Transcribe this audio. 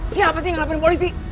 siapa sih yang laporin polisi